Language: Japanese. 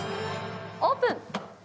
オープン！